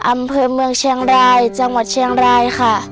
อำเภอเมืองเชียงรายจังหวัดเชียงรายค่ะ